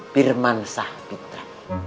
pirman sah pitra